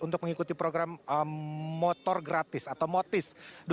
untuk mengikuti program motor gratis atau motis